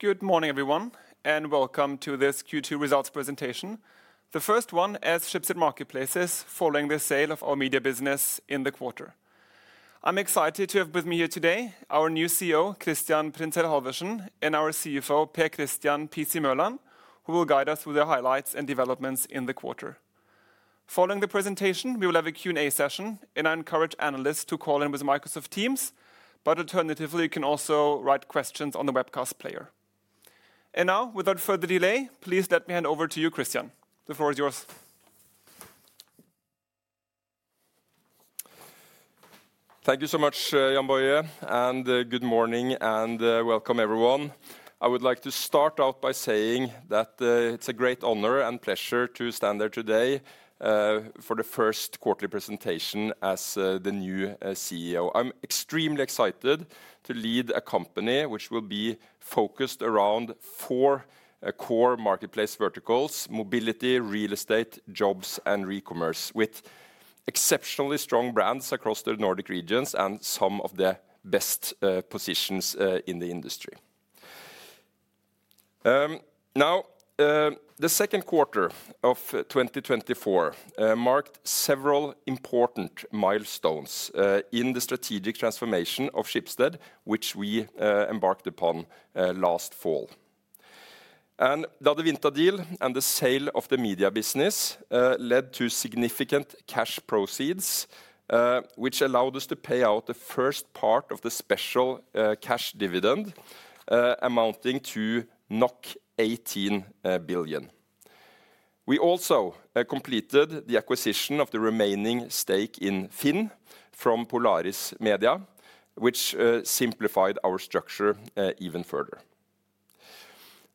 Good morning, everyone, and welcome to this Q2 results presentation. The first one as Schibsted Marketplaces, following the sale of our media business in the quarter. I'm excited to have with me here today our new CEO, Christian Printzell Halvorsen, and our CFO, Per Christian 'PC' Mørland, who will guide us through the highlights and developments in the quarter. Following the presentation, we will have a Q&A session, and I encourage analysts to call in with Microsoft Teams, but alternatively, you can also write questions on the webcast player. Now, without further delay, please let me hand over to you, Christian. The floor is yours. Thank you so much, Jann-Boje, and good morning and welcome everyone. I would like to start out by saying that it's a great honor and pleasure to stand here today for the first quarterly presentation as the new CEO. I'm extremely excited to lead a company which will be focused around four core marketplace verticals: mobility, real estate, jobs, and re-commerce, with exceptionally strong brands across the Nordic regions and some of the best positions in the industry. Now, the second quarter of 2024 marked several important milestones in the strategic transformation of Schibsted, which we embarked upon last fall. The other winter deal and the sale of the media business led to significant cash proceeds, which allowed us to pay out the first part of the special cash dividend amounting to 18 billion. We also completed the acquisition of the remaining stake in FINN from Polaris Media, which simplified our structure even further.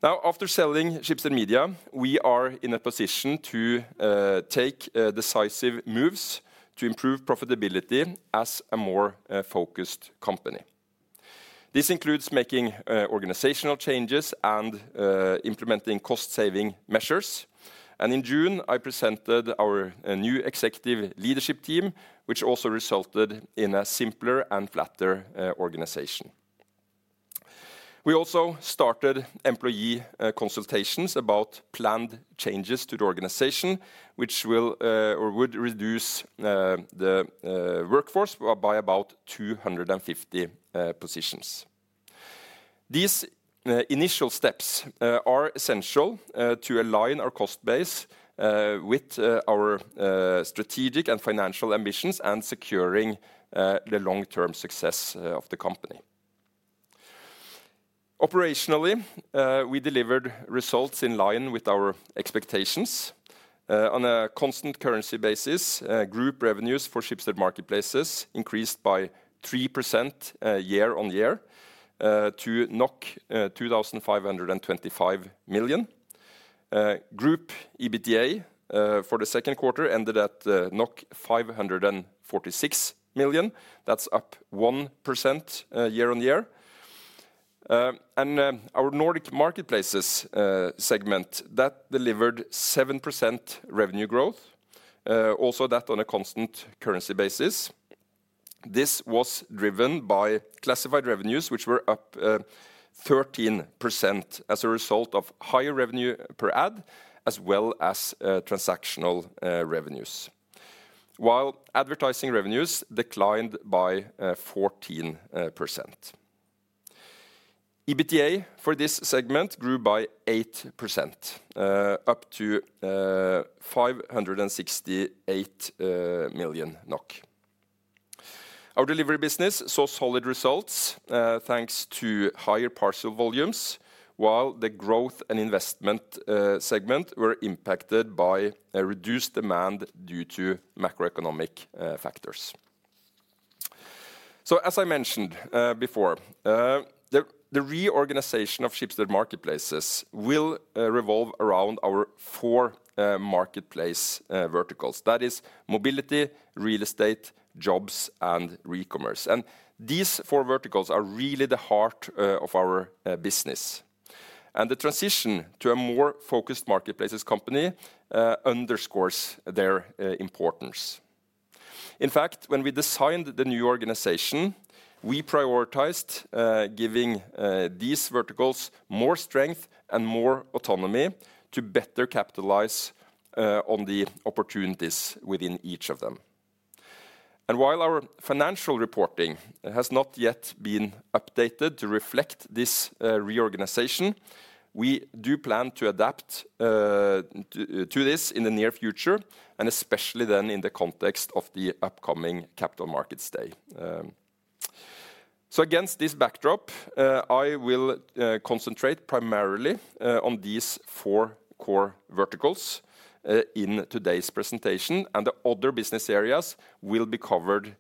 Now, after selling Schibsted Media, we are in a position to take decisive moves to improve profitability as a more focused company. This includes making organizational changes and implementing cost-saving measures. In June, I presented our new executive leadership team, which also resulted in a simpler and flatter organization. We also started employee consultations about planned changes to the organization, which will or would reduce the workforce by about 250 positions. These initial steps are essential to align our cost base with our strategic and financial ambitions and securing the long-term success of the company. Operationally, we delivered results in line with our expectations. On a constant currency basis, group revenues for Schibsted Marketplaces increased by 3% year-over-year to 2,525 million. Group EBITDA for the second quarter ended at 546 million. That's up 1% year-over-year. And our Nordic Marketplaces segment that delivered 7% revenue growth also that on a constant currency basis. This was driven by classified revenues, which were up 13% as a result of higher revenue per ad, as well as transactional revenues. While advertising revenues declined by 14%. EBITDA for this segment grew by 8%, up to 568 million NOK. Our delivery business saw solid results thanks to higher parcel volumes, while the growth and investment segment were impacted by a reduced demand due to macroeconomic factors. So, as I mentioned before, the reorganization of Schibsted Marketplaces will revolve around our four marketplace verticals. That is Mobility, Real Estate, Jobs, and Re-commerce. And these four verticals are really the heart of our business, and the transition to a more focused marketplaces company underscores their importance. In fact, when we designed the new organization, we prioritized giving these verticals more strength and more autonomy to better capitalize on the opportunities within each of them. And while our financial reporting has not yet been updated to reflect this reorganization, we do plan to adapt to this in the near future, and especially then in the context of the upcoming Capital Markets Day. So against this backdrop, I will concentrate primarily on these four core verticals in today's presentation, and the other business areas will be covered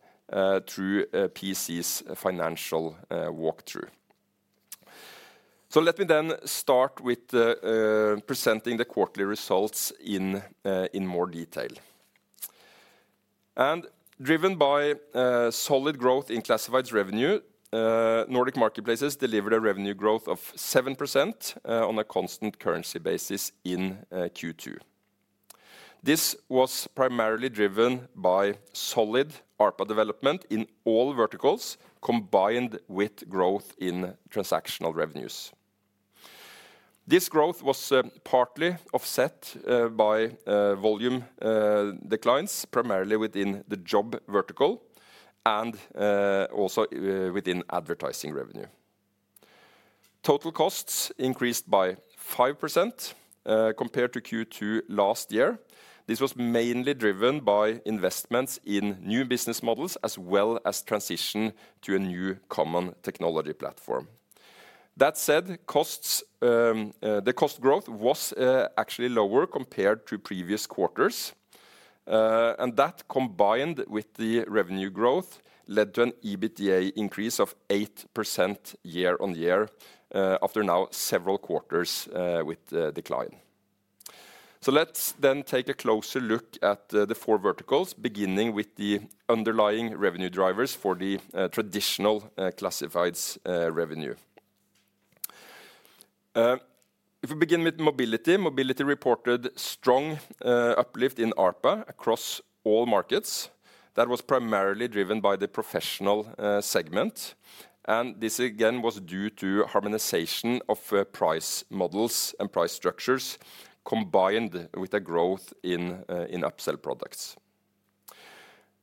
through PC's financial walkthrough. So let me then start with presenting the quarterly results in more detail. Driven by solid growth in classifieds revenue, Nordic Marketplaces delivered a revenue growth of 7% on a constant currency basis in Q2. This was primarily driven by solid ARPA development in all verticals, combined with growth in transactional revenues. This growth was partly offset by volume declines, primarily within the job vertical and also within advertising revenue. Total costs increased by 5%, compared to Q2 last year. This was mainly driven by investments in new business models, as well as transition to a new common technology platform. That said, costs, the cost growth was actually lower compared to previous quarters. And that, combined with the revenue growth, led to an EBITDA increase of 8% year-on-year, after now several quarters with decline. So let's then take a closer look at the, the four Verticals, beginning with the underlying revenue drivers for the, traditional, Classifieds, revenue. If we begin with Mobility, Mobility reported strong uplift in ARPA across all markets. That was primarily driven by the professional segment, and this again, was due to harmonization of, price models and price structures, combined with a growth in, in upsell products.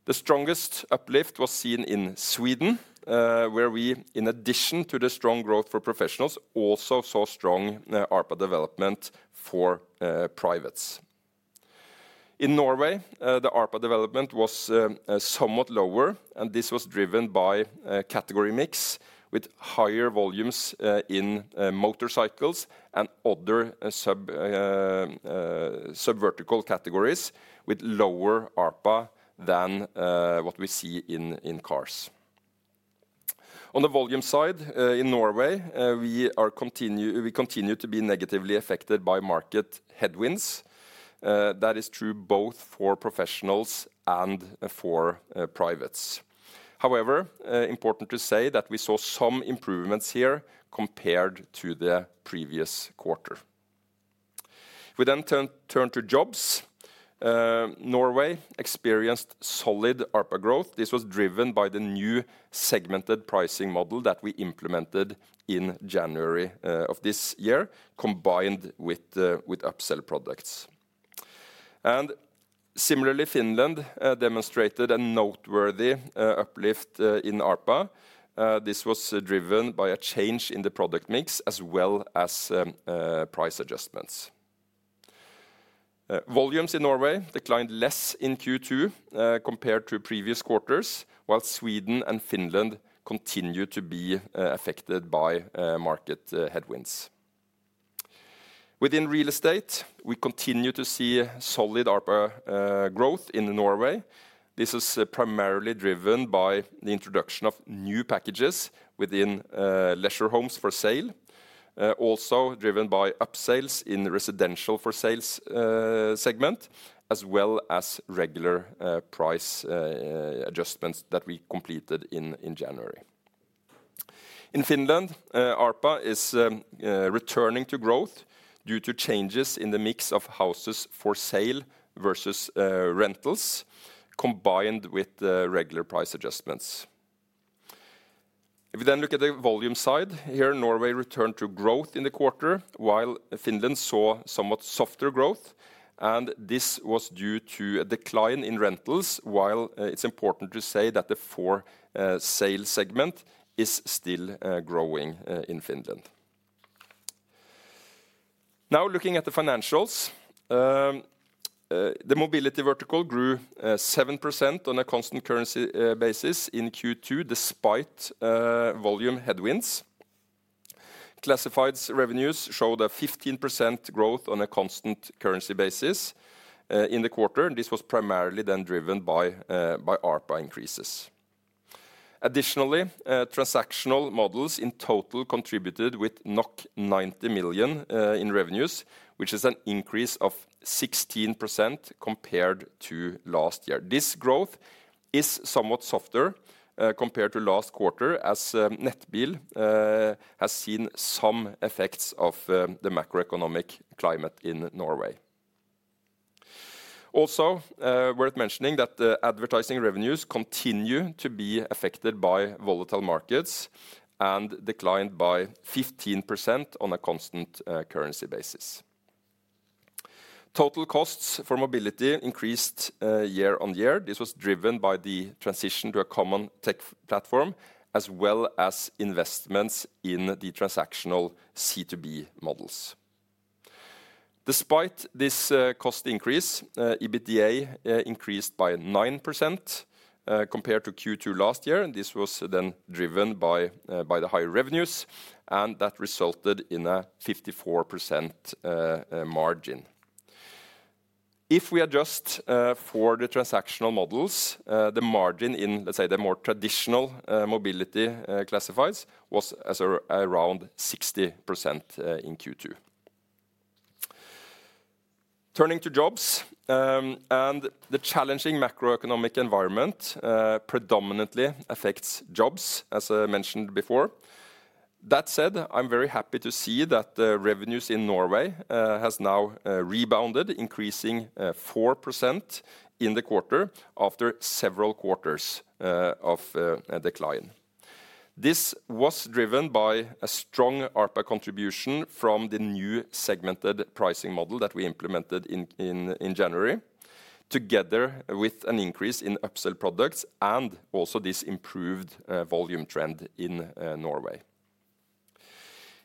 The strongest uplift was seen in Sweden, where we, in addition to the strong growth for professionals, also saw strong, ARPA development for, privates. In Norway, the ARPA development was, somewhat lower, and this was driven by, category mix, with higher volumes, in, motorcycles and other sub, sub-vertical categories, with lower ARPA than, what we see in, in cars. On the volume side, in Norway, we continue to be negatively affected by market headwinds. That is true both for professionals and for privates. However, important to say that we saw some improvements here compared to the previous quarter. We then turn to jobs. Norway experienced solid ARPA growth. This was driven by the new segmented pricing model that we implemented in January of this year, combined with upsell products. And similarly, Finland demonstrated a noteworthy uplift in ARPA. This was driven by a change in the product mix, as well as price adjustments. Volumes in Norway declined less in Q2 compared to previous quarters, while Sweden and Finland continued to be affected by market headwinds. Within real estate, we continue to see solid ARPA growth in Norway. This is primarily driven by the introduction of new packages within leisure homes for sale. Also driven by upsales in the residential for sales segment, as well as regular price adjustments that we completed in January. In Finland, ARPA is returning to growth due to changes in the mix of houses for sale versus rentals, combined with the regular price adjustments. If we then look at the volume side, here, Norway returned to growth in the quarter, while Finland saw somewhat softer growth, and this was due to a decline in rentals, while it's important to say that the for sale segment is still growing in Finland. Now, looking at the financials, the mobility vertical grew 7% on a constant currency basis in Q2, despite volume headwinds. Classifieds revenues showed a 15% growth on a constant currency basis in the quarter. This was primarily then driven by ARPA increases. Additionally, transactional models in total contributed with 90 million in revenues, which is an increase of 16% compared to last year. This growth is somewhat softer compared to last quarter, as Nettbil has seen some effects of the macroeconomic climate in Norway. Also worth mentioning that the advertising revenues continue to be affected by volatile markets and declined by 15% on a constant currency basis. Total costs for mobility increased year-over-year. This was driven by the transition to a common tech platform, as well as investments in the transactional C2B models. Despite this cost increase, EBITDA increased by 9% compared to Q2 last year, and this was then driven by the higher revenues, and that resulted in a 54% margin. If we adjust for the transactional models, the margin in, let's say, the more traditional mobility classifieds, was around 60% in Q2. Turning to jobs, and the challenging macroeconomic environment predominantly affects jobs, as I mentioned before. That said, I'm very happy to see that the revenues in Norway has now rebounded, increasing 4% in the quarter after several quarters of a decline. This was driven by a strong ARPA contribution from the new segmented pricing model that we implemented in January, together with an increase in upsell products and also this improved volume trend in Norway.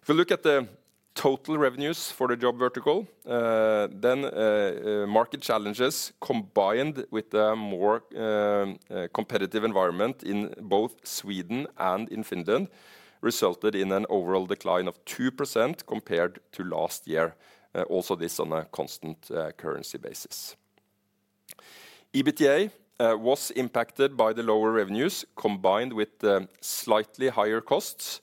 If you look at the total revenues for the Jobs vertical, then market challenges, combined with a more competitive environment in both Sweden and in Finland, resulted in an overall decline of 2% compared to last year, also this on a constant currency basis. EBITDA was impacted by the lower revenues, combined with the slightly higher costs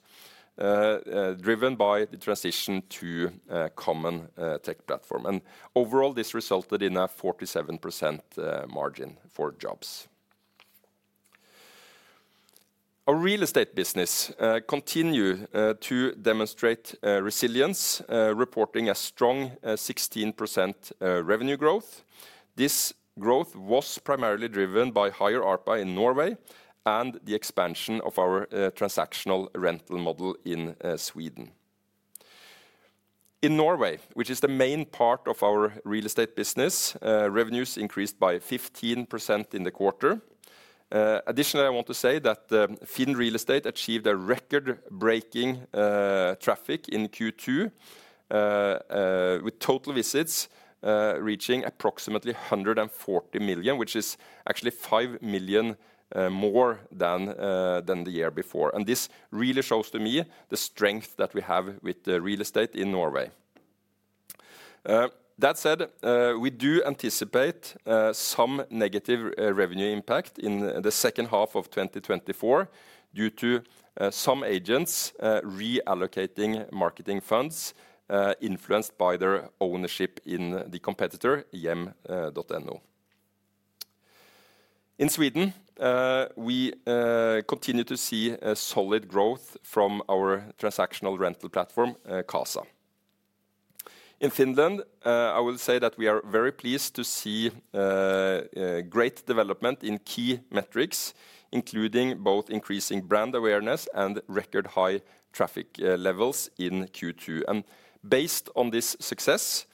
driven by the transition to a common tech platform, and overall, this resulted in a 47% margin for jobs. Our Real Estate business continue to demonstrate resilience, reporting a strong 16% revenue growth. This growth was primarily driven by higher ARPA in Norway and the expansion of our transactional rental model in Sweden. In Norway, which is the main part of our real estate business, revenues increased by 15% in the quarter. Additionally, I want to say that the FINN real estate achieved a record-breaking traffic in Q2 with total visits reaching approximately 140 million, which is actually 5 million more than the year before, and this really shows to me the strength that we have with the real estate in Norway. That said, we do anticipate some negative revenue impact in the second half of 2024 due to some agents reallocating marketing funds influenced by their ownership in the competitor Hjem.no. In Sweden, we continue to see a solid growth from our transactional rental platform, Qasa. In Finland, I will say that we are very pleased to see great development in key metrics, including both increasing brand awareness and record high traffic levels in Q2, and based on this success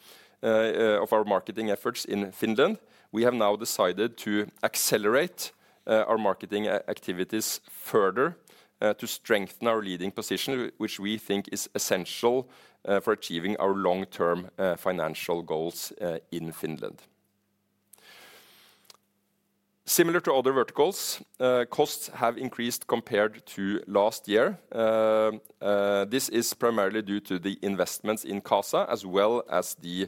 of our marketing efforts in Finland, we have now decided to accelerate our marketing activities further, to strengthen our leading position, which we think is essential for achieving our long-term financial goals in Finland. Similar to other verticals, costs have increased compared to last year. This is primarily due to the investments in Qasa, as well as the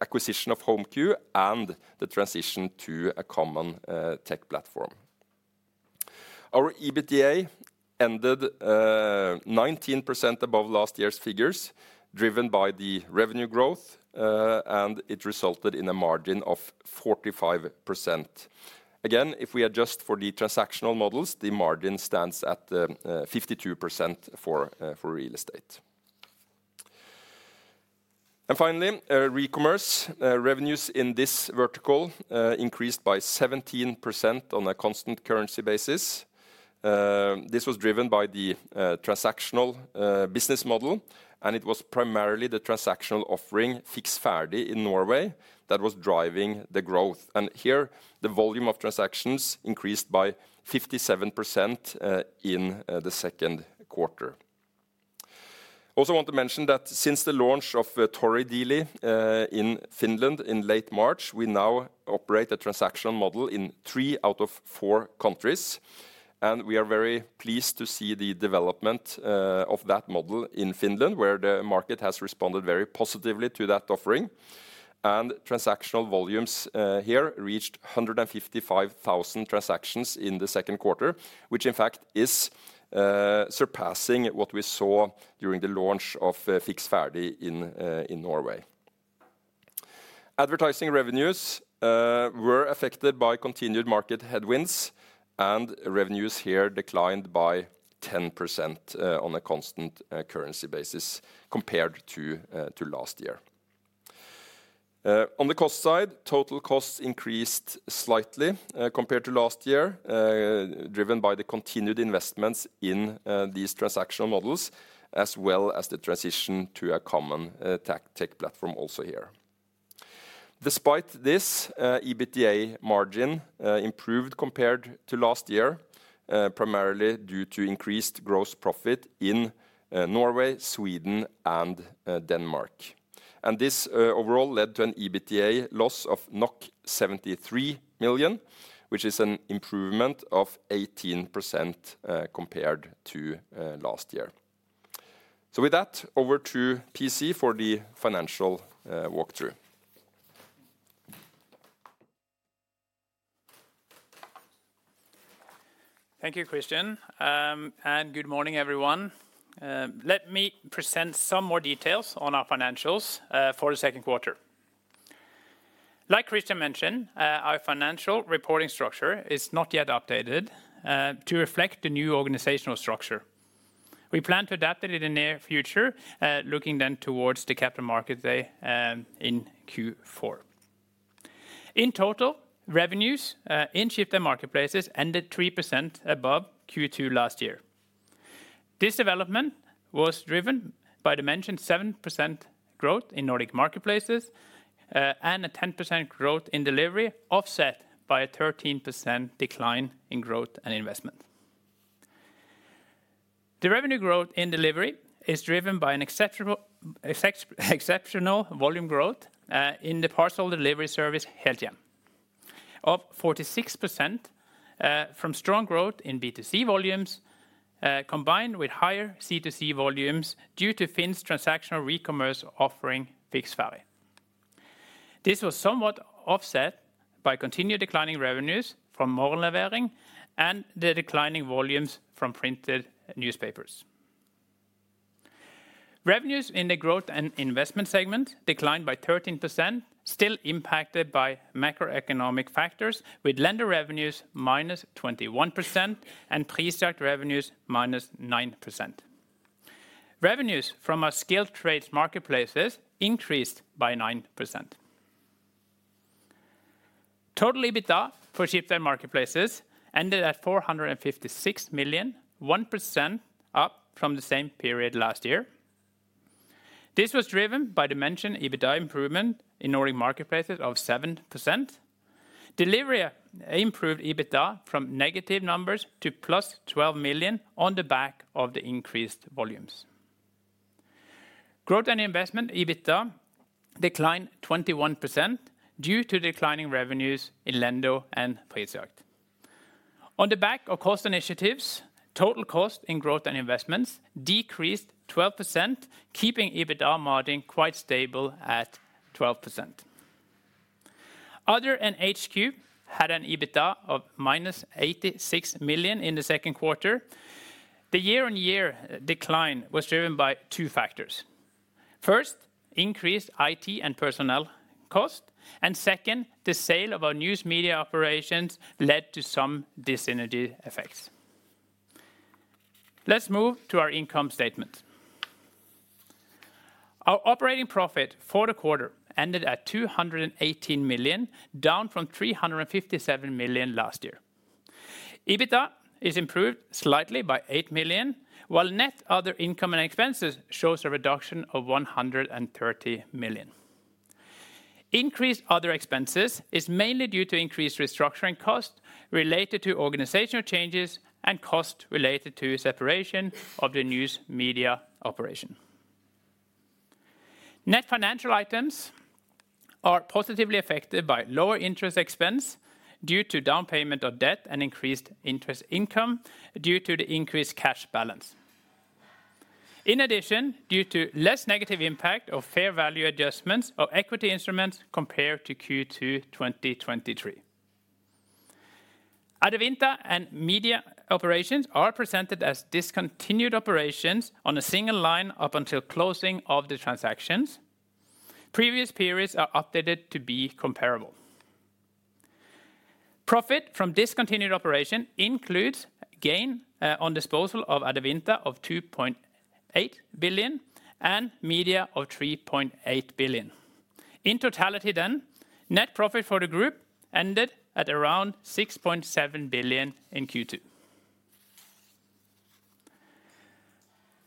acquisition of HomeQ and the transition to a common tech platform. Our EBITDA ended 19% above last year's figures, driven by the revenue growth, and it resulted in a margin of 45%. Again, if we adjust for the transactional models, the margin stands at 52% for Real Estate. And finally, Recommerce. Revenues in this vertical increased by 17% on a constant currency basis. This was driven by the transactional business model, and it was primarily the transactional offering, Fiks Ferdig, in Norway that was driving the growth, and here the volume of transactions increased by 57% in the second quarter. Also, want to mention that since the launch of ToriDiili in Finland in late March, we now operate a transactional model in three out of four countries, and we are very pleased to see the development of that model in Finland, where the market has responded very positively to that offering. Transactional volumes here reached 155,000 transactions in the second quarter, which, in fact, is surpassing what we saw during the launch of Fiks Ferdig in Norway. Advertising revenues were affected by continued market headwinds, and revenues here declined by 10% on a constant currency basis compared to last year. On the cost side, total costs increased slightly, compared to last year, driven by the continued investments in these transactional models, as well as the transition to a common tech platform also here. Despite this, EBITDA margin improved compared to last year, primarily due to increased gross profit in Norway, Sweden, and Denmark, and this overall led to an EBITDA loss of 73 million, which is an improvement of 18%, compared to last year. So with that, over to PC for the financial walkthrough. Thank you, Christian, and good morning, everyone. Let me present some more details on our financials for the second quarter. Like Christian mentioned, our financial reporting structure is not yet updated to reflect the new organizational structure. We plan to adapt it in the near future, looking then towards the capital market day in Q4. In total, revenues in Schibsted Marketplaces ended 3% above Q2 last year. This development was driven by the mentioned 7% growth in Nordic marketplaces and a 10% growth in delivery, offset by a 13% decline in growth and investment. The revenue growth in delivery is driven by an exceptional volume growth in the parcel delivery service, HeltHjem, of 46%, from strong growth in B2C volumes combined with higher C2C volumes due to FINN's transactional recommerce offering, Fiks Ferdig. This was somewhat offset by continued declining revenues from Morgenlevering and the declining volumes from printed newspapers. Revenues in the growth and investment segment declined by 13%, still impacted by macroeconomic factors, with Lendo revenues -21% and Prisjakt revenues -9%. Revenues from our skilled trades marketplaces increased by 9%. Total EBITDA for Schibsted marketplaces ended at 456 million, 1% up from the same period last year. This was driven by the mentioned EBITDA improvement in Nordic marketplaces of 7%. Delivery improved EBITDA from negative numbers to +12 million on the back of the increased volumes. Growth and investment EBITDA declined 21% due to declining revenues in Lendo and Prisjakt. On the back of cost initiatives, total cost in growth and investments decreased 12%, keeping EBITDA margin quite stable at 12%. Other and HQ had an EBITDA of -86 million in the second quarter. The year-on-year decline was driven by two factors. First, increased IT and personnel cost, and second, the sale of our news media operations led to some dis-synergy effects. Let's move to our income statement. Our operating profit for the quarter ended at 218 million, down from 357 million last year. EBITDA is improved slightly by 8 million, while net other income and expenses shows a reduction of 130 million. Increased other expenses is mainly due to increased restructuring costs related to organizational changes and costs related to separation of the news media operation. Net financial items are positively affected by lower interest expense due to down payment of debt and increased interest income due to the increased cash balance. In addition, due to less negative impact of fair value adjustments of equity instruments compared to Q2 2023. Adevinta and media operations are presented as discontinued operations on a single line up until closing of the transactions. Previous periods are updated to be comparable. Profit from discontinued operation includes gain on disposal of Adevinta of 2.8 billion and media of 3.8 billion. In totality then, net profit for the group ended at around 6.7 billion in Q2.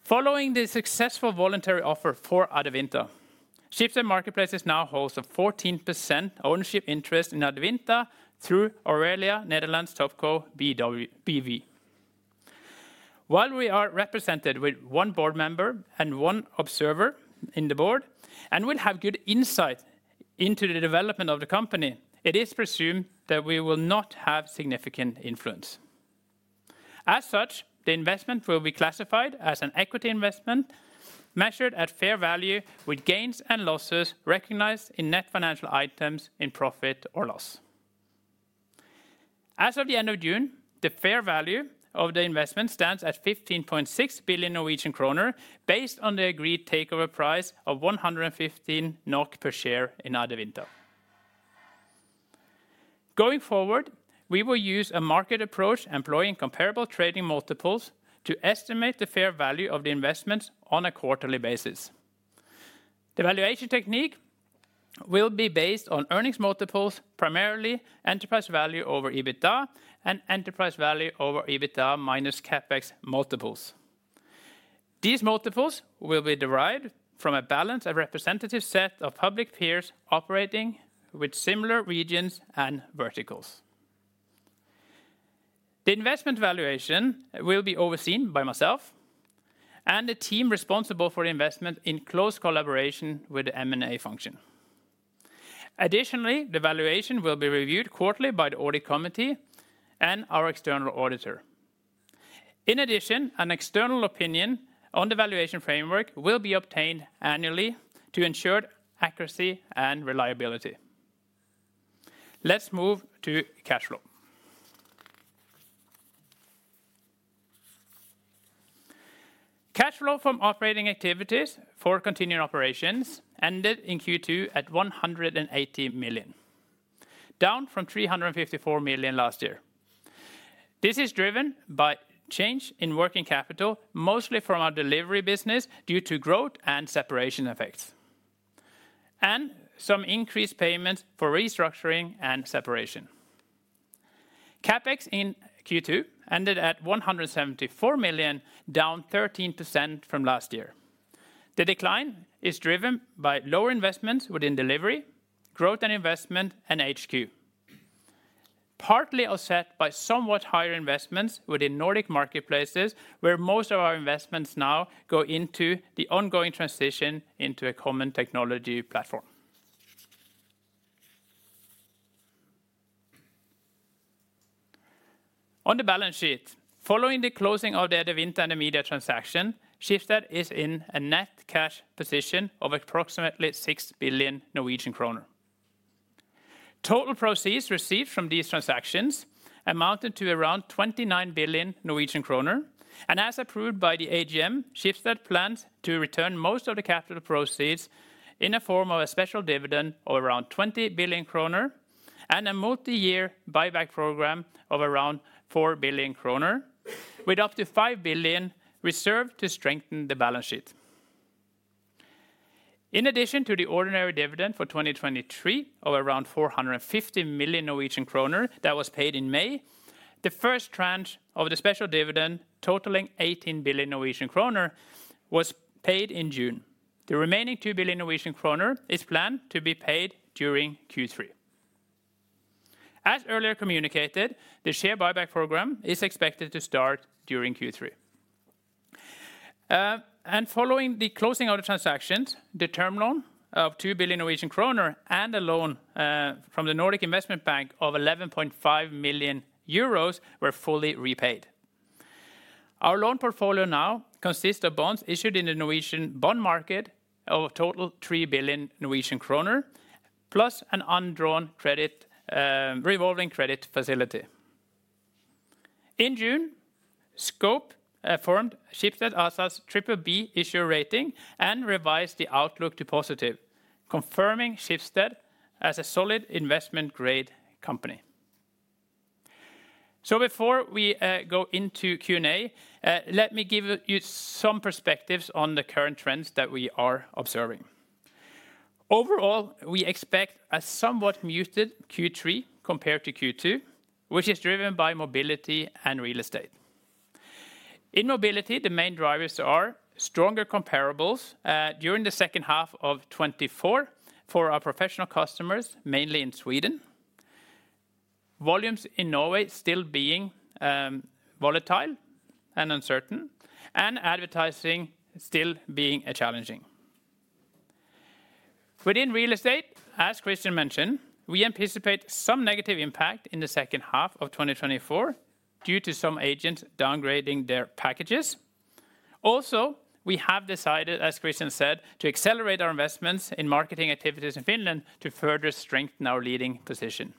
Following the successful voluntary offer for Adevinta, Schibsted Marketplaces now holds a 14% ownership interest in Adevinta through Aurelia Netherlands TopCo B.V. While we are represented with one board member and one observer in the board, and we'll have good insight into the development of the company, it is presumed that we will not have significant influence. As such, the investment will be classified as an equity investment, measured at fair value, with gains and losses recognized in net financial items in profit or loss. As of the end of June, the fair value of the investment stands at 15.6 billion Norwegian kroner, based on the agreed takeover price of 115 NOK per share in Adevinta. Going forward, we will use a market approach employing comparable trading multiples to estimate the fair value of the investments on a quarterly basis. The valuation technique will be based on earnings multiples, primarily enterprise value over EBITDA and enterprise value over EBITDA minus CapEx multiples. These multiples will be derived from a balanced, representative set of public peers operating with similar regions and verticals. The investment valuation will be overseen by myself and the team responsible for the investment in close collaboration with the M&A function. Additionally, the valuation will be reviewed quarterly by the audit committee and our external auditor. In addition, an external opinion on the valuation framework will be obtained annually to ensure accuracy and reliability. Let's move to cash flow. Cash flow from operating activities for continuing operations ended in Q2 at 180 million, down from 354 million last year. This is driven by change in working capital, mostly from our delivery business, due to growth and separation effects, and some increased payments for restructuring and separation. CapEx in Q2 ended at 174 million, down 13% from last year. The decline is driven by lower investments within delivery, growth and investment, and HQ. Partly offset by somewhat higher investments within Nordic marketplaces, where most of our investments now go into the ongoing transition into a common technology platform. On the balance sheet, following the closing of the Adevinta and the Media transaction, Schibsted is in a net cash position of approximately 6 billion Norwegian kroner. Total proceeds received from these transactions amounted to around 29 billion Norwegian kroner, and as approved by the AGM, Schibsted plans to return most of the capital proceeds in a form of a special dividend of around 20 billion kroner and a multi-year buyback program of around 4 billion kroner, with up to 5 billion reserved to strengthen the balance sheet. In addition to the ordinary dividend for 2023 of around 450 million Norwegian kroner that was paid in May, the first tranche of the special dividend, totaling 18 billion Norwegian kroner was paid in June. The remaining 2 billion Norwegian kroner is planned to be paid during Q3. As earlier communicated, the share buyback program is expected to start during Q3. Following the closing of the transactions, the term loan of 2 billion Norwegian kroner and a loan from the Nordic Investment Bank of 11.5 million euros were fully repaid. Our loan portfolio now consists of bonds issued in the Norwegian bond market of a total 3 billion Norwegian kroner, plus an undrawn credit, revolving credit facility. In June, Scope affirmed Schibsted ASA's Triple B issuer rating and revised the outlook to positive, confirming Schibsted as a solid investment grade company. So before we go into Q&A, let me give you some perspectives on the current trends that we are observing. Overall, we expect a somewhat muted Q3 compared to Q2, which is driven by mobility and real estate. In mobility, the main drivers are stronger comparables during the second half of 2024 for our professional customers, mainly in Sweden. Volumes in Norway still being volatile and uncertain, and advertising still being challenging. Within real estate, as Christian mentioned, we anticipate some negative impact in the second half of 2024 due to some agents downgrading their packages. Also, we have decided, as Christian said, to accelerate our investments in marketing activities in Finland to further strengthen our leading position.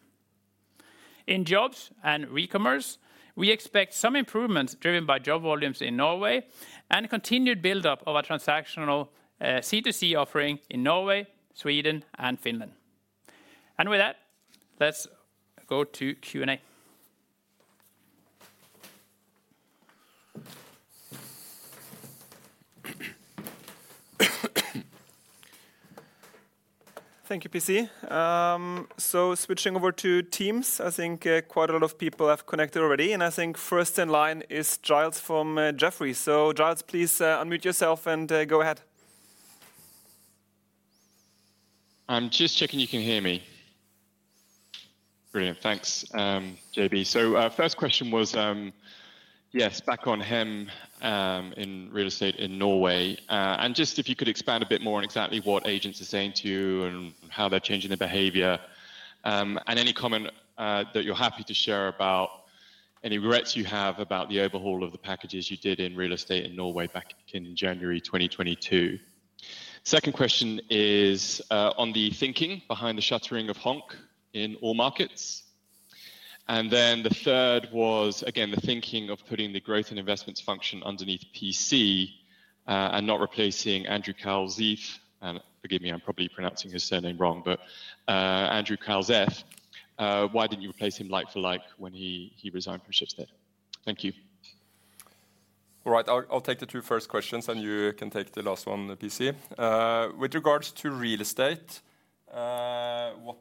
In jobs and recommerce, we expect some improvements driven by job volumes in Norway and continued buildup of our transactional, C2C offering in Norway, Sweden, and Finland. With that, let's go to Q&A. Thank you, PC. So switching over to Teams, I think quite a lot of people have connected already, and I think first in line is Giles from Jefferies. So Giles, please unmute yourself and go ahead. I'm just checking you can hear me. Brilliant. Thanks, JB. So, first question was, yes, back on Hjem, in real estate in Norway. And just if you could expand a bit more on exactly what agents are saying to you and how they're changing their behavior, and any comment that you're happy to share about any regrets you have about the overhaul of the packages you did in real estate in Norway back in January 2022. Second question is, on the thinking behind the shuttering of Honk in all markets. And then the third was, again, the thinking of putting the growth and investments function underneath PC, and not replacing Andrew Kvålseth. And forgive me, I'm probably pronouncing his surname wrong, but, Andrew Kvålseth, why didn't you replace him like for like when he resigned from Schibsted? Thank you. All right, I'll take the two first questions, and you can take the last one, PC. With regards to real estate, what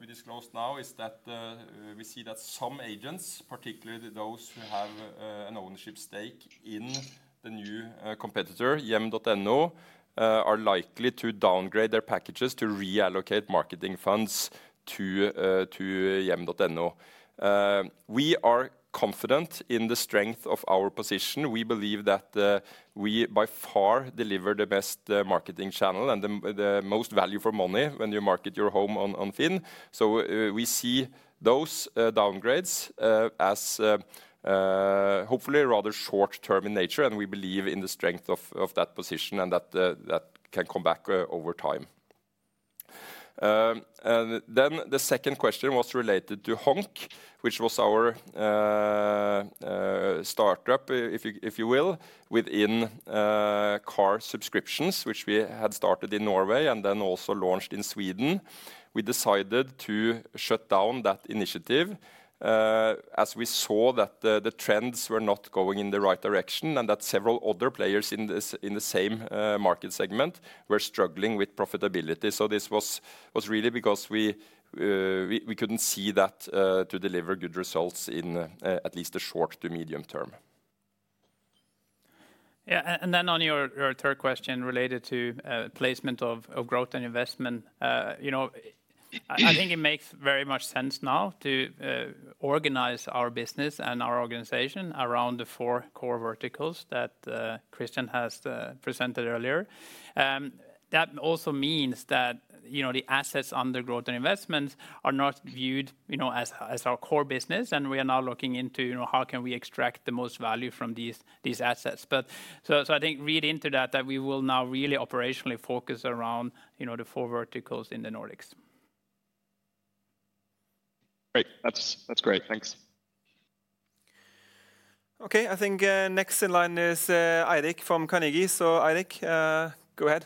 we disclosed now is that we see that some agents, particularly those who have an ownership stake in the new competitor, Hjem.no, are likely to downgrade their packages to reallocate marketing funds to Hjem.no. We are confident in the strength of our position. We believe that we, by far, deliver the best marketing channel and the most value for money when you market your home on FINN. So, we see those downgrades as hopefully a rather short term in nature, and we believe in the strength of that position and that that can come back over time. And then the second question was related to Honk, which was our startup, if you will, within car subscriptions, which we had started in Norway and then also launched in Sweden. We decided to shut down that initiative, as we saw that the trends were not going in the right direction, and that several other players in the same market segment were struggling with profitability. So this was really because we couldn't see that to deliver good results in at least the short to medium term. Yeah, and then on your third question related to placement of growth and investment, you know, I think it makes very much sense now to organize our business and our organization around the four core verticals that Christian has presented earlier. That also means that, you know, the assets under growth and investments are not viewed, you know, as our core business, and we are now looking into, you know, how can we extract the most value from these assets. But so I think read into that, that we will now really operationally focus around, you know, the four verticals in the Nordics. Great. That's, that's great. Thanks. Okay. I think next in line is Eirik from Carnegie. So Eirik, go ahead.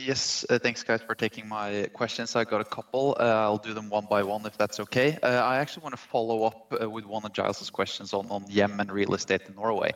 Yes. Thanks, guys, for taking my questions. I've got a couple. I'll do them one by one, if that's okay. I actually want to follow up with one of Giles's questions on Hjem and real estate in Norway.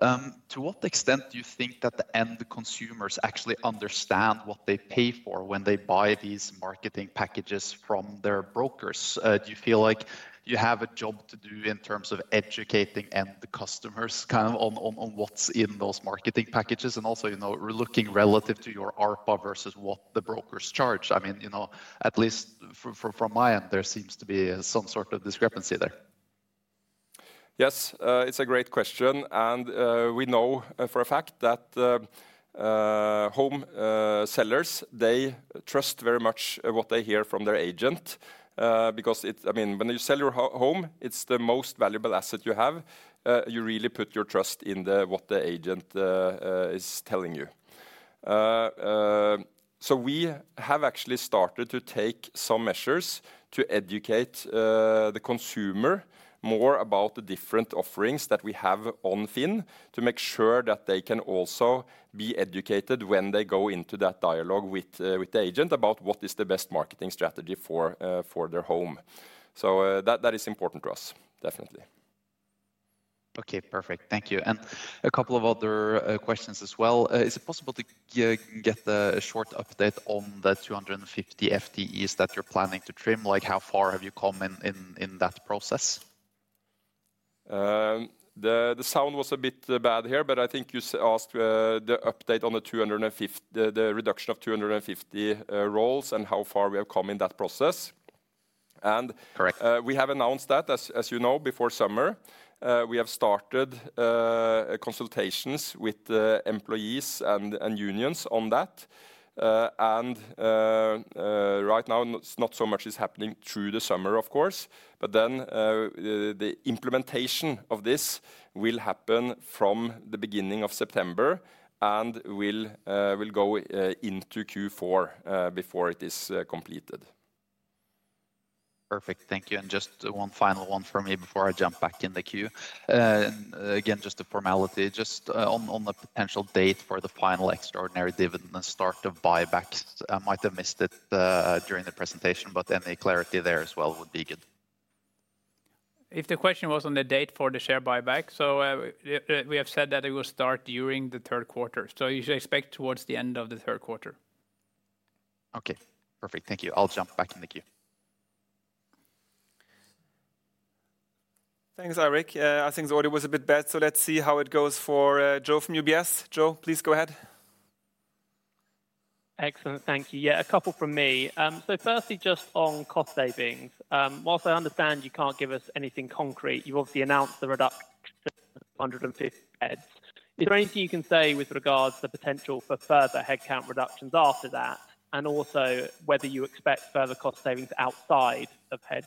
To what extent do you think that the end consumers actually understand what they pay for when they buy these marketing packages from their brokers? Do you feel like you have a job to do in terms of educating the end customers, kind of, on what's in those marketing packages? And also, you know, looking relative to your ARPA versus what the brokers charge. I mean, you know, at least from my end, there seems to be some sort of discrepancy there. Yes, it's a great question, and we know for a fact that home sellers they trust very much what they hear from their agent. Because it... I mean, when you sell your home, it's the most valuable asset you have, you really put your trust in what the agent is telling you. So we have actually started to take some measures to educate the consumer more about the different offerings that we have on FINN, to make sure that they can also be educated when they go into that dialogue with the agent about what is the best marketing strategy for their home. So that is important to us, definitely. Okay, perfect. Thank you. And a couple of other questions as well. Is it possible to get a short update on the 250 FTEs that you're planning to trim? Like, how far have you come in that process? The sound was a bit bad here, but I think you asked the update on the reduction of 250 roles, and how far we have come in that process. And Correct... We have announced that, as you know, before summer. We have started consultations with the employees and unions on that. And right now, not so much is happening through the summer, of course, but then the implementation of this will happen from the beginning of September, and will go into Q4 before it is completed. Perfect. Thank you. And just one final one for me before I jump back in the queue. Again, just a formality, just, on, on the potential date for the final extraordinary dividend and start of buybacks. I might have missed it during the presentation, but any clarity there as well would be good. If the question was on the date for the share buyback, so, we have said that it will start during the third quarter. You should expect towards the end of the third quarter. Okay, perfect. Thank you. I'll jump back in the queue. Thanks, Eirik. I think the audio was a bit bad, so let's see how it goes for Joe from UBS. Joe, please go ahead. Excellent. Thank you. Yeah, a couple from me. So firstly, just on cost savings. While I understand you can't give us anything concrete, you've obviously announced the reduction of 150 heads. Is there anything you can say with regards to the potential for further headcount reductions after that? And also, whether you expect further cost savings outside of head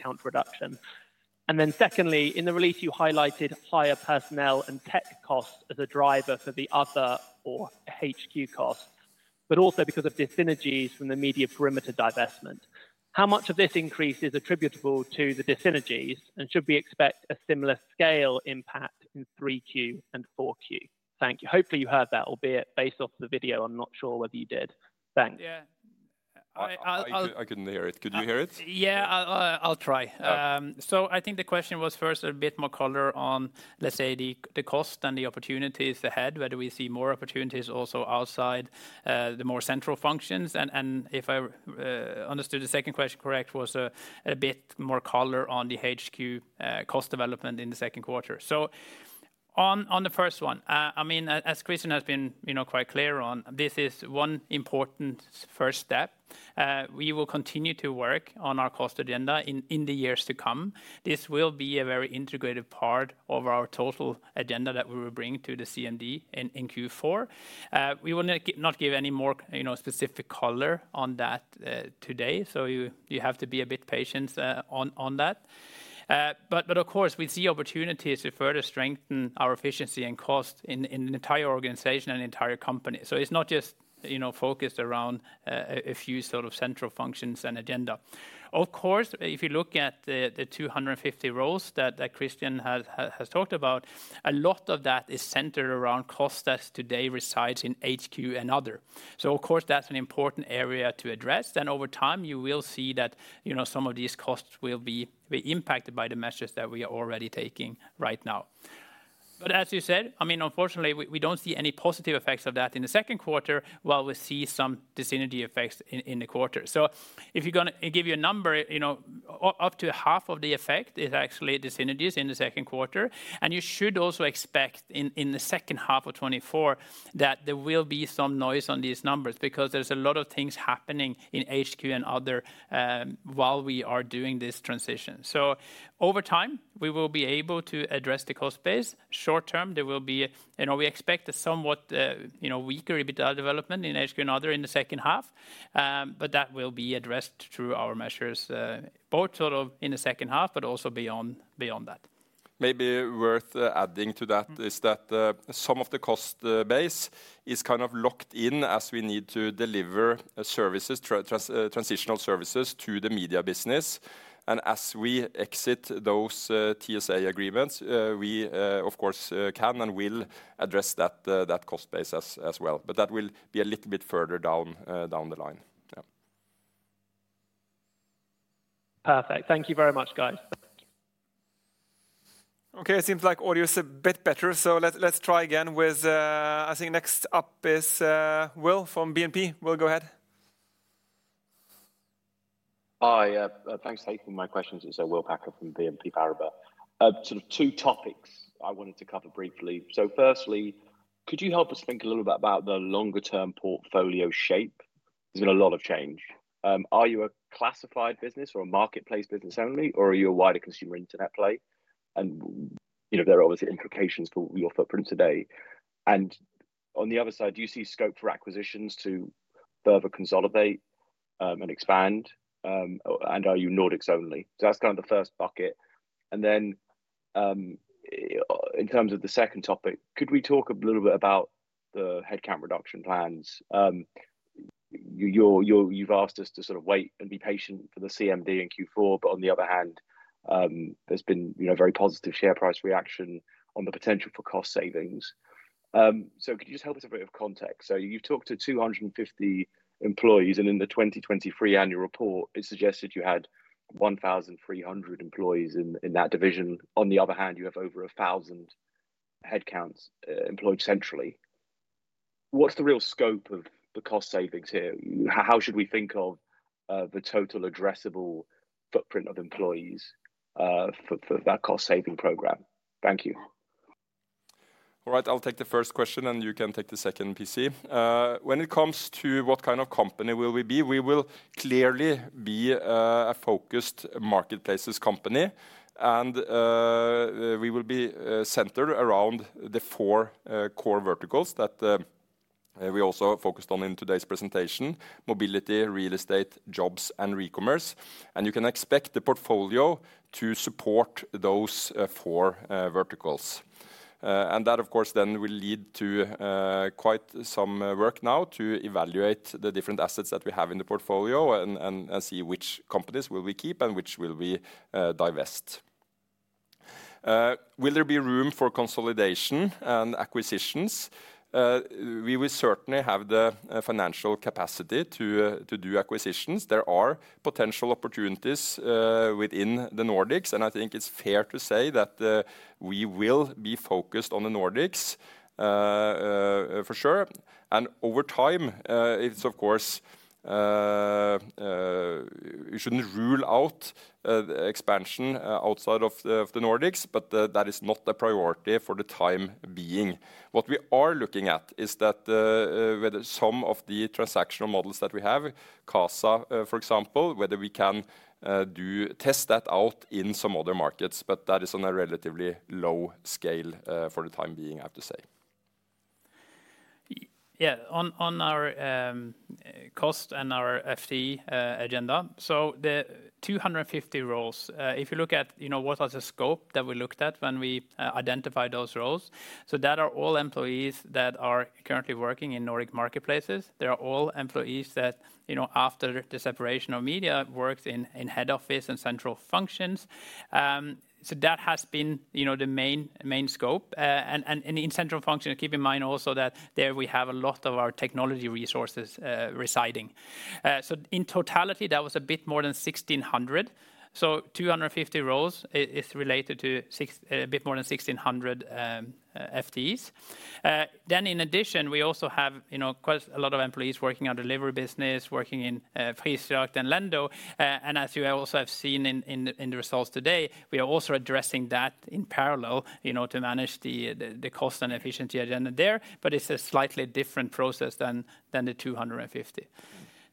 count reduction. And then secondly, in the release, you highlighted higher personnel and tech costs as a driver for the other or HQ costs, but also because of dyssynergies from the media perimeter divestment. How much of this increase is attributable to the dyssynergies, and should we expect a similar scale impact in Q3 and Q4? Thank you. Hopefully, you heard that, albeit based off the video, I'm not sure whether you did. Thanks. Yeah, I'll- I couldn't hear it. Could you hear it? Yeah, I'll try. Yeah. So I think the question was first a bit more color on, let's say, the cost and the opportunities ahead, whether we see more opportunities also outside the more central functions. And if I understood the second question correct, was a bit more color on the HQ cost development in the second quarter. So on the first one, I mean, as Christian has been, you know, quite clear on, this is one important first step. We will continue to work on our cost agenda in the years to come. This will be a very integrated part of our total agenda that we will bring to the CND in Q4. We will not give, not give any more, you know, specific color on that, today, so you, you have to be a bit patient, on, on that. But, but of course, we see opportunities to further strengthen our efficiency and cost in, in the entire organization and entire company. So it's not just, you know, focused around, a few sort of central functions and agenda. Of course, if you look at the, the 250 roles that, that Christian has, has talked about, a lot of that is centered around costs that today resides in HQ and other. So of course, that's an important area to address. Then over time, you will see that, you know, some of these costs will be, be impacted by the measures that we are already taking right now. But as you said, I mean, unfortunately, we don't see any positive effects of that in the second quarter, while we see some dis synergy effects in the quarter. So if you're gonna give you a number, you know, up to half of the effect is actually the synergies in the second quarter. And you should also expect in the second half of 2024, that there will be some noise on these numbers, because there's a lot of things happening in HQ and other, while we are doing this transition. So over time, we will be able to address the cost base. Short term, there will be you know, we expect a somewhat, you know, weaker EBITDA development in HQ and other in the second half. But that will be addressed through our measures, both sort of in the second half, but also beyond, beyond that. Maybe worth adding to that- Mm is that some of the cost base is kind of locked in as we need to deliver services, transitional services to the media business. And as we exit those TSA agreements, we of course can and will address that cost base as well, but that will be a little bit further down the line. Yeah. Perfect. Thank you very much, guys. Okay, it seems like audio is a bit better, so let's, let's try again with, I think next up is, Will from BNP. Will, go ahead. Hi, thanks for taking my questions. It's Will Packer from BNP Paribas. Sort of two topics I wanted to cover briefly. So firstly, could you help us think a little bit about the longer-term portfolio shape? There's been a lot of change. Are you a classified business or a marketplace business only, or are you a wider consumer internet play? And, you know, there are obviously implications for your footprint today. And on the other side, do you see Scope for acquisitions to further consolidate and expand? And are you Nordics only? So that's kind of the first bucket. And then, in terms of the second topic, could we talk a little bit about the headcount reduction plans? You've asked us to sort of wait and be patient for the CMD in Q4, but on the other hand, there's been, you know, very positive share price reaction on the potential for cost savings. So could you just help us a bit of context? So you've talked to 250 employees, and in the 2023 annual report, it suggested you had 1,300 employees in that division. On the other hand, you have over 1,000 headcounts employed centrally. What's the real scope of the cost savings here? How should we think of the total addressable footprint of employees for that cost-saving program? Thank you. All right, I'll take the first question, and you can take the second, PC. When it comes to what kind of company will we be, we will clearly be a focused marketplaces company, and we will be centered around the four core verticals that we also focused on in today's presentation: Mobility, Real Estate, Jobs, and Recommerce. You can expect the portfolio to support those four verticals. And that, of course, then will lead to quite some work now to evaluate the different assets that we have in the portfolio and see which companies will we keep and which will we divest. Will there be room for consolidation and acquisitions? We will certainly have the financial capacity to do acquisitions. There are potential opportunities, within the Nordics, and I think it's fair to say that, we will be focused on the Nordics, for sure. And over time, it's of course, we shouldn't rule out, expansion, outside of the, the Nordics, but, that is not a priority for the time being. What we are looking at is that, whether some of the transactional models that we have, Qasa, for example, whether we can, do test that out in some other markets, but that is on a relatively low scale, for the time being, I have to say. Yeah, on our cost and our FTE agenda. So the 250 roles, if you look at, you know, what was the scope that we looked at when we identified those roles, so that are all employees that are currently working in Nordic marketplaces. They are all employees that, you know, after the separation of media, works in head office and central functions. So that has been, you know, the main scope. And in central function, keep in mind also that there we have a lot of our technology resources residing. So in totality, that was a bit more than 1,600. So 250 roles is related to a bit more than 1,600 FTEs. Then in addition, we also have, you know, quite a lot of employees working on delivery business, working in Prisjakt and Lendo, and as you also have seen in the results today, we are also addressing that in parallel, you know, to manage the cost and efficiency agenda there, but it's a slightly different process than the 250.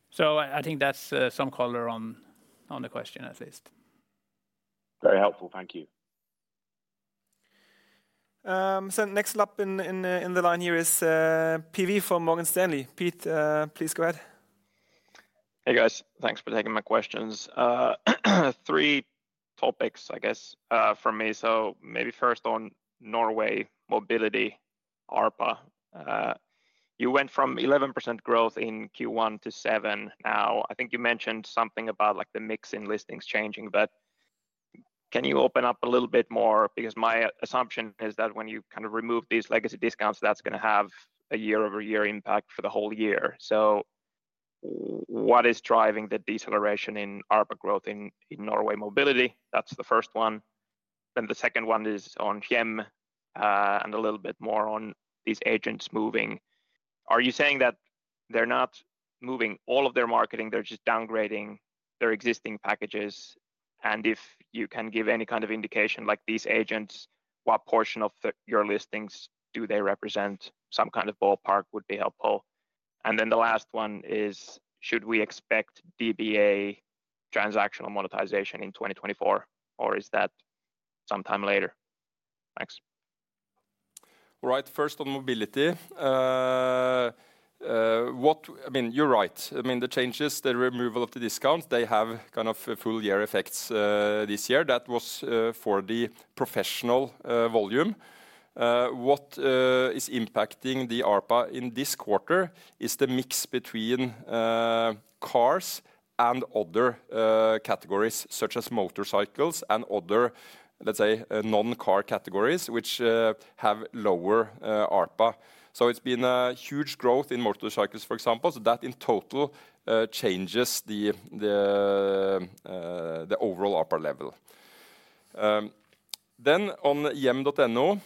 So I think that's some color on the question, at least. Very helpful. Thank you. So next up in the line here is P.V. from Morgan Stanley. Pete, please go ahead. Hey, guys. Thanks for taking my questions. Three topics, I guess, from me. So maybe first on Norway Mobility, ARPA. You went from 11% growth in Q1 to 7%. Now, I think you mentioned something about, like, the mix in listings changing, but can you open up a little bit more? Because my assumption is that when you kind of remove these legacy discounts, that's gonna have a year-over-year impact for the whole year. What is driving the deceleration in ARPA growth in Norway Mobility? That's the first one. Then the second one is on Hjem, and a little bit more on these agents moving. Are you saying that they're not moving all of their marketing, they're just downgrading their existing packages? And if you can give any kind of indication, like these agents, what portion of your listings do they represent? Some kind of ballpark would be helpful. Then the last one is, should we expect DBA transactional monetization in 2024 or is that sometime later? Thanks. All right. First, on mobility. What-- I mean, you're right. I mean, the changes, the removal of the discount, they have kind of a full year effects, this year. That was for the professional volume. What is impacting the ARPA in this quarter is the mix between cars and other categories, such as motorcycles and other, let's say, non-car categories, which have lower ARPA. So it's been a huge growth in motorcycles, for example. So that in total changes the overall ARPA level. Then on Hjem.no,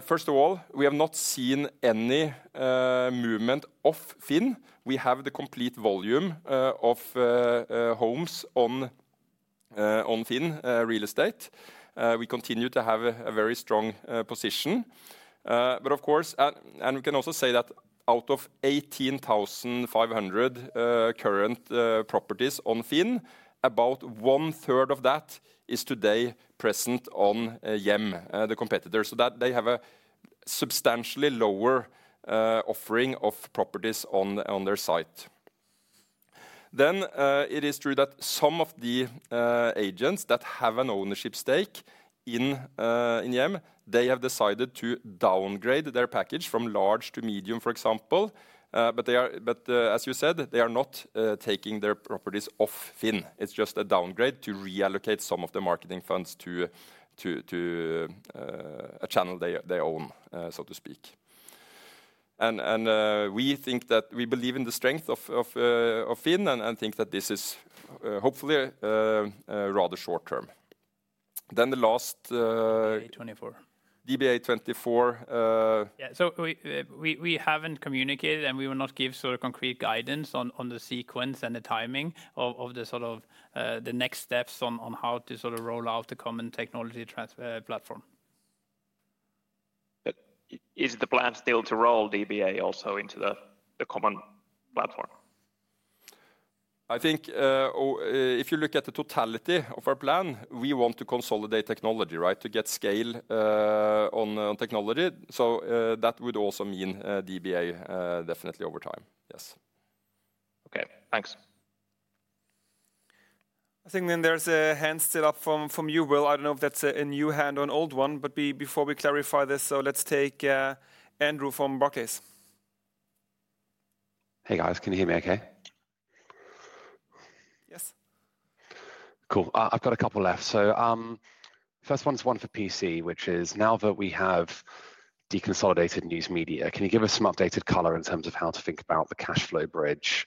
first of all, we have not seen any movement off FINN. We have the complete volume of homes on FINN Real Estate. We continue to have a very strong position. But of course... And we can also say that out of 18,500 current properties on FINN, about one third of that is today present on Hjem, the competitor, so that they have a substantially lower offering of properties on their site. Then, it is true that some of the agents that have an ownership stake in Hjem, they have decided to downgrade their package from large to medium, for example. But, as you said, they are not taking their properties off FINN. It's just a downgrade to reallocate some of the marketing funds to a channel they own, so to speak. We think that we believe in the strength of FINN and think that this is hopefully a rather short term. Then the last, DBA24. DBA24. Yeah, so we haven't communicated, and we will not give sort of concrete guidance on the sequence and the timing of the sort of next steps on how to sort of roll out the common technology platform. But is the plan still to roll DBA also into the common platform? I think, if you look at the totality of our plan, we want to consolidate technology, right? To get scale on technology. So, that would also mean DBA definitely over time. Yes. Okay, thanks. I think then there's a hand still up from, from you, Will. I don't know if that's a, a new hand or an old one, but before we clarify this, so let's take Andrew from Barclays. Hey, guys, can you hear me okay? Yes. Cool. I've got a couple left. So, first one is one for PC, which is, now that we have deconsolidated news media, can you give us some updated color in terms of how to think about the cash flow bridge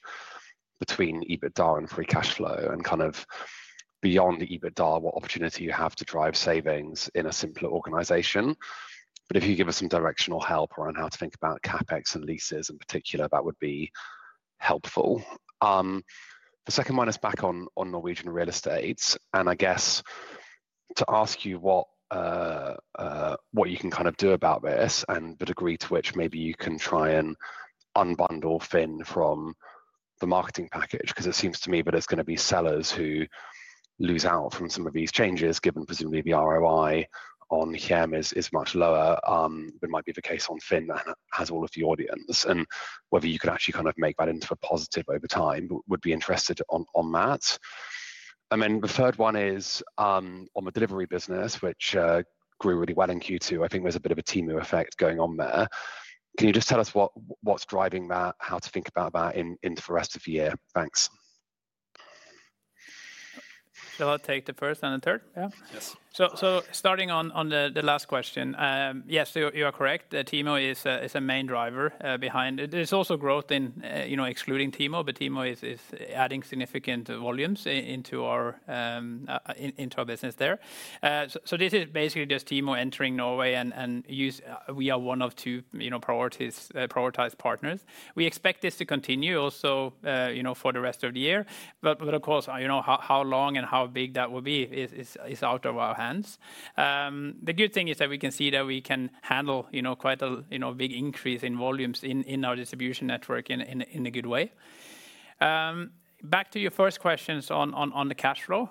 between EBITDA and free cash flow, and kind of beyond the EBITDA, what opportunity you have to drive savings in a simpler organization? But if you give us some directional help around how to think about CapEx and leases in particular, that would be helpful. The second one is back on Norwegian real estate, and I guess to ask you what you can kind of do about this and the degree to which maybe you can try and unbundle FINN from the marketing package, 'cause it seems to me that it's gonna be sellers who lose out from some of these changes, given presumably the ROI on Hjem is much lower than might be the case on FINN that has all of the audience. And whether you could actually kind of make that into a positive over time, would be interested on that. And then the third one is on the delivery business, which grew really well in Q2. I think there's a bit of a Temu effect going on there. Can you just tell us what, what's driving that, how to think about that in, in the rest of the year? Thanks. So I'll take the first and the third? Yeah. Yes. So starting on the last question. Yes, you are correct. Temu is a main driver behind it. There's also growth in, you know, excluding Temu, but Temu is adding significant volumes into our business there. So this is basically just Temu entering Norway and us. We are one of two, you know, prioritized partners. We expect this to continue also, you know, for the rest of the year. But of course, you know, how long and how big that will be is out of our hands. The good thing is that we can see that we can handle, you know, quite a big increase in volumes in our distribution network in a good way. Back to your first questions on the cash flow.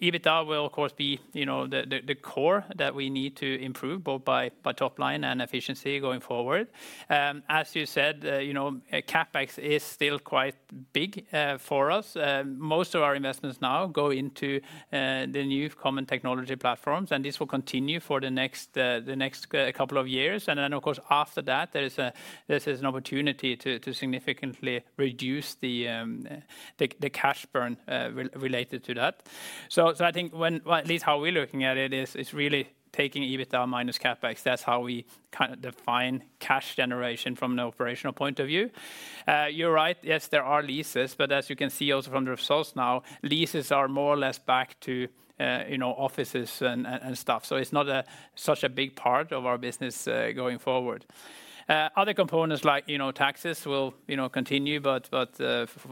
EBITDA will of course be, you know, the core that we need to improve, both by top line and efficiency going forward. As you said, you know, CapEx is still quite big for us. Most of our investments now go into the new common technology platforms, and this will continue for the next couple of years. And then, of course, after that, there is an opportunity to significantly reduce the cash burn related to that. So, I think, well, at least how we're looking at it is really taking EBITDA minus CapEx. That's how we kind of define cash generation from an operational point of view. You're right. Yes, there are leases, but as you can see also from the results now, leases are more or less back to, you know, offices and stuff. So it's not such a big part of our business going forward. Other components like, you know, taxes will, you know, continue but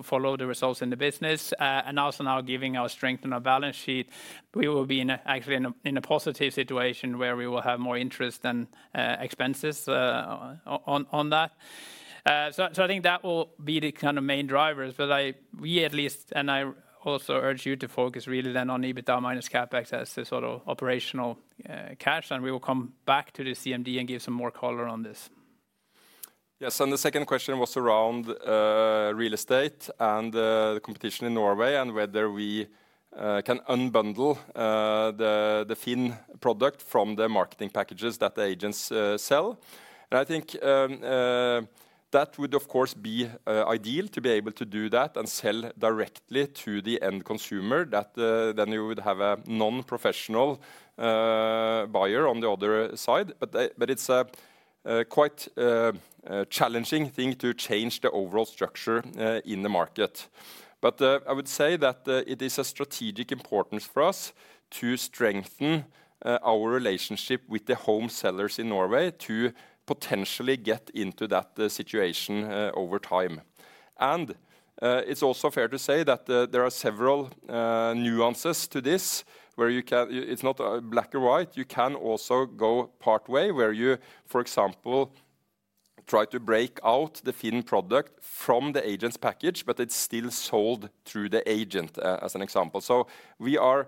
follow the results in the business. And also now giving our strength on our balance sheet, we will be actually in a positive situation where we will have more interest than expenses on that. So, I think that will be the kind of main drivers, but we at least, and I also urge you to focus really then on EBITDA minus CapEx as the sort of operational cash, and we will come back to the CMD and give some more color on this. Yes, the second question was around real estate and the competition in Norway, and whether we can unbundle the FINN product from the marketing packages that the agents sell. And I think that would, of course, be ideal to be able to do that and sell directly to the end consumer, that then you would have a non-professional buyer on the other side. But it's a quite challenging thing to change the overall structure in the market. But I would say that it is a strategic importance for us to strengthen our relationship with the home sellers in Norway to potentially get into that situation over time. It's also fair to say that there are several nuances to this, where you can. It's not black and white. You can also go partway, where you, for example, try to break out the FINN product from the agent's package, but it's still sold through the agent, as an example. So we are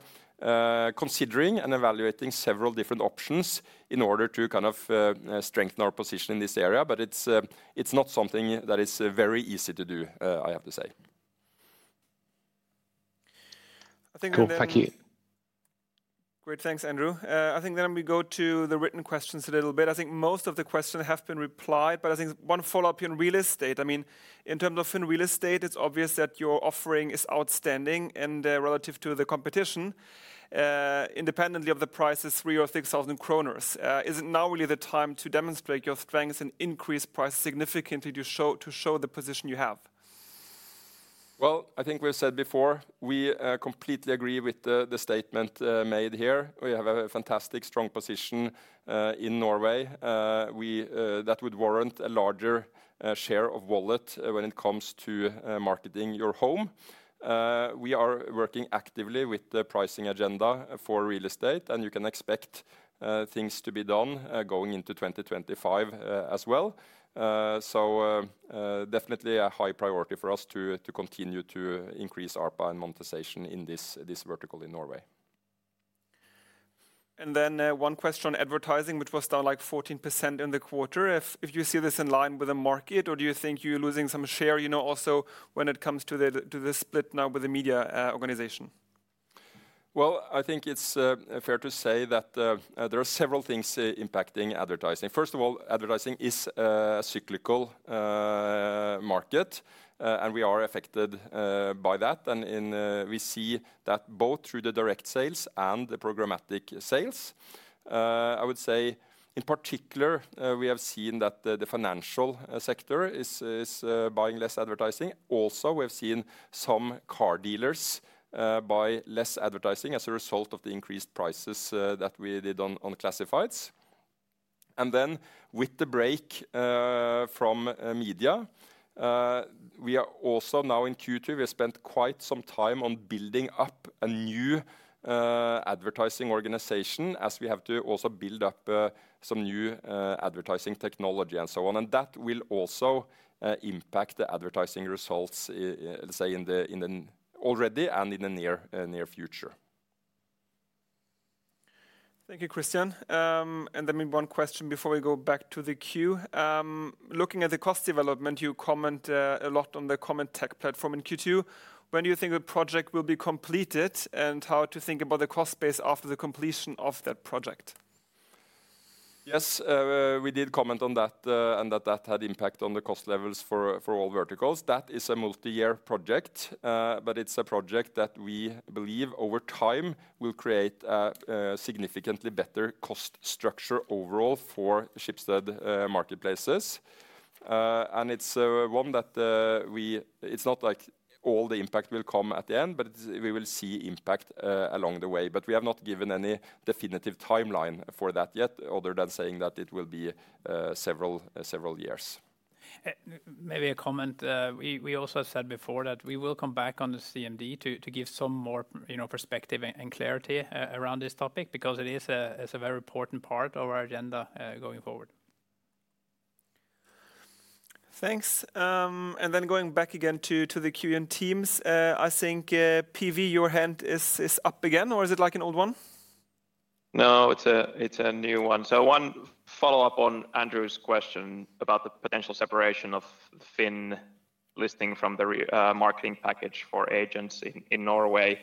considering and evaluating several different options in order to kind of strengthen our position in this area, but it's, it's not something that is very easy to do, I have to say. I think- Cool. Thank you. Great, thanks, Andrew. I think then we go to the written questions a little bit. I think most of the questions have been replied, but I think one follow-up in real estate. I mean, in terms of in real estate, it's obvious that your offering is outstanding and, relative to the competition, independently of the price is 3,000 or 6,000 kroner. Is it now really the time to demonstrate your strengths and increase price significantly to show, to show the position you have? Well, I think we've said before, we completely agree with the statement made here. We have a fantastic, strong position in Norway. That would warrant a larger share of wallet when it comes to marketing your home. We are working actively with the pricing agenda for real estate, and you can expect things to be done going into 2025 as well. So, definitely a high priority for us to continue to increase ARPA and monetization in this vertical in Norway. One question on advertising, which was down, like, 14% in the quarter. If you see this in line with the market, or do you think you're losing some share, you know, also when it comes to the split now with the media organization? Well, I think it's fair to say that there are several things impacting advertising. First of all, advertising is a cyclical market, and we are affected by that. And we see that both through the direct sales and the programmatic sales. I would say, in particular, we have seen that the financial sector is buying less advertising. Also, we have seen some car dealers buy less advertising as a result of the increased prices that we did on classifieds. And then with the break from media, we are also now in Q2, we spent quite some time on building up a new advertising organization, as we have to also build up some new advertising technology and so on. That will also impact the advertising results, say, in the already and in the near future. Thank you, Christian. Then one question before we go back to the queue. Looking at the cost development, you comment a lot on the common tech platform in Q2. When do you think the project will be completed, and how to think about the cost base after the completion of that project? Yes, we did comment on that, and that that had impact on the cost levels for all verticals. That is a multi-year project, but it's a project that we believe over time will create a significantly better cost structure overall for Schibsted Marketplaces. And it's one that it's not like all the impact will come at the end, but it's, we will see impact along the way. But we have not given any definitive timeline for that yet, other than saying that it will be several, several years. Maybe a comment. We also said before that we will come back on the CMD to give some more, you know, perspective and clarity around this topic, because it is, it's a very important part of our agenda going forward. Thanks. And then going back again to the queue in Teams, I think, P.V., your hand is up again, or is it like an old one? No, it's a, it's a new one. So one follow-up on Andrew's question about the potential separation of FINN listing from the remarketing package for agents in Norway.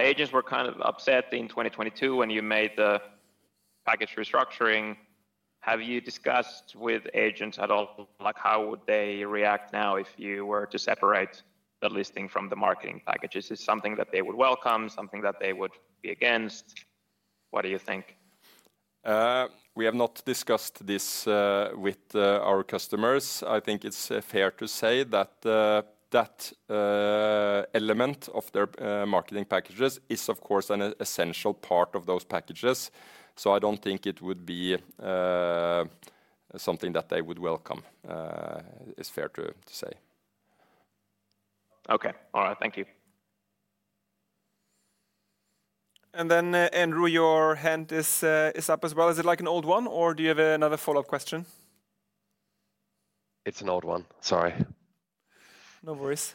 Agents were kind of upset in 2022 when you made the package restructuring. Have you discussed with agents at all, like, how would they react now if you were to separate the listing from the marketing packages? Is it something that they would welcome, something that they would be against? What do you think? We have not discussed this with our customers. I think it's fair to say that that element of their marketing packages is, of course, an essential part of those packages. So I don't think it would be something that they would welcome, is fair to say. Okay. All right, thank you. And then, Andrew, your hand is up as well. Is it like an old one, or do you have another follow-up question? It's an old one. Sorry. No worries.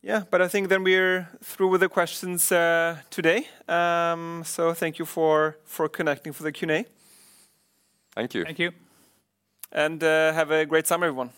Yeah, but I think then we're through with the questions today. So thank you for, for connecting for the Q&A. Thank you. Thank you. Have a great summer, everyone.